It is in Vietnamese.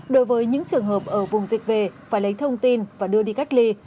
đối với những trường hợp ở vùng dịch về phải lấy thông tin và đưa đi cách ly